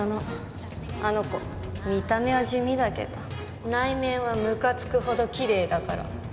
あの子見た目は地味だけど内面はむかつくほどきれいだから。